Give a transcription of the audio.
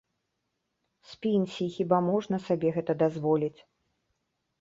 З пенсіі хіба можна сабе гэта дазволіць?